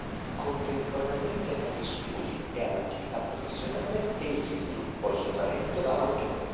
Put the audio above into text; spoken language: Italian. Contemporaneamente agli studi e all'attività professionale, egli sviluppò il suo talento da autore.